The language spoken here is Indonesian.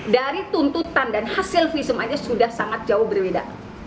dari tuntutan dan hasil visum ini sudah sangat jauh berbeda